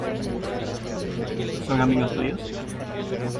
¿ son amigos tuyos?